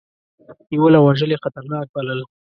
نیول او وژل یې خطرناک بلل.